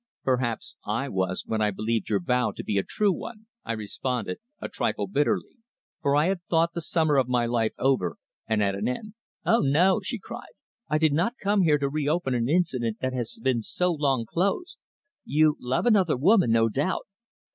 "Perhaps I was when I believed your vow to be a true one," I responded a trifle bitterly, for I had thought the summer of my life over and at an end. "Ah, no!" she cried. "I did not come here to reopen an incident that has been so long closed. You love another woman, no doubt."